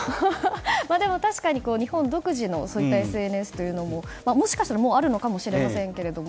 でも、確かに日本独自のそうしたＳＮＳというのももしかしたらあるのかもしれませんけれども。